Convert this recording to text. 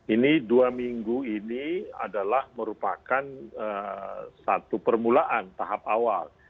ini dua minggu ini adalah merupakan satu permulaan tahap awal